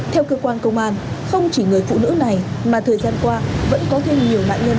theo cơ quan công an không chỉ người phụ nữ này mà thời gian qua vẫn có thêm nhiều nạn nhân